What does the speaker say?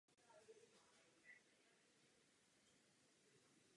Dovozce?